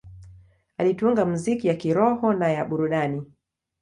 Alitunga muziki ya kiroho na ya burudani.